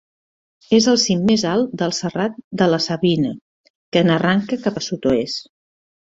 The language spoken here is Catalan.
És el cim més alt del Serrat de la Savina, que n'arrenca cap al sud-oest.